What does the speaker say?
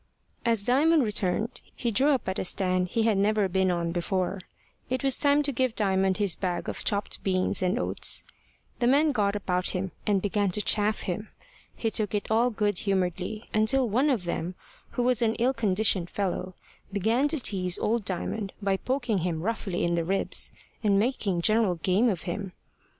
As Diamond returned, he drew up at a stand he had never been on before: it was time to give Diamond his bag of chopped beans and oats. The men got about him, and began to chaff him. He took it all good humouredly, until one of them, who was an ill conditioned fellow, began to tease old Diamond by poking him roughly in the ribs, and making general game of him.